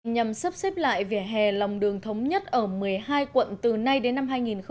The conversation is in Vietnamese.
nhằm sắp xếp lại vỉa hè lòng đường thống nhất ở một mươi hai quận từ nay đến năm hai nghìn hai mươi